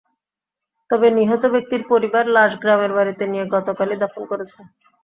তবে নিহত ব্যক্তির পরিবার লাশ গ্রামের বাড়িতে নিয়ে গতকালই দাফন করেছে।